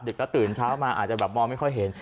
ดึกแล้วตื่นเช้ามาอาจจะมองไม่ค่อยเห็น